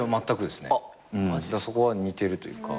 だからそこは似てるというか。